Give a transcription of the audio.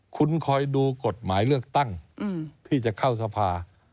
คุณคอยดูกฎหมายเลือกตั้งที่จะเข้าสภา